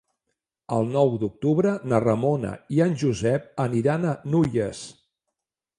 El nou d'octubre na Ramona i en Josep aniran a Nulles.